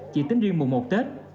chỉ tính riêng mùng một tết